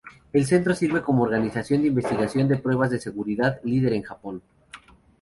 El Centro sirve como organización de investigación de pruebas de seguridad líder en Japón.